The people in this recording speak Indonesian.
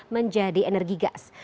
menjadi energi gas